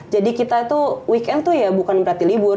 kita tuh weekend tuh ya bukan berarti libur